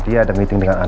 dia ada meeting dengan ma